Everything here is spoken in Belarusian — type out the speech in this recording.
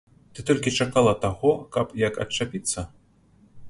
Ты толькі чакала таго, каб як адчапіцца?